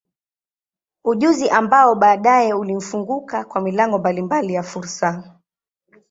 Ujuzi ambao baadaye ulimfunguka kwa milango mbalimbali ya fursa.